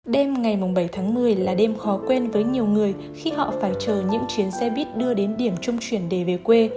đêm ngày bảy tháng một mươi là đêm khó quen với nhiều người khi họ phải chờ những chuyến xe buýt đưa đến điểm trung chuyển để về quê